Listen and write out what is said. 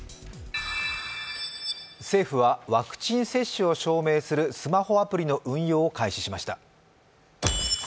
政府はワクチン接種を証明するスマホアプリの運用を開始しました。